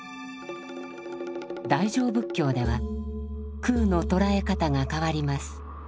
大乗仏教では空の捉え方が変わります。